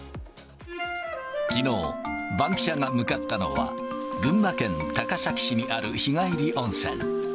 きのう、バンキシャが向かったのは、群馬県高崎市にある日帰り温泉。